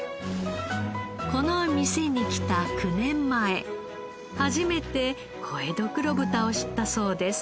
この店に来た９年前初めて小江戸黒豚を知ったそうです。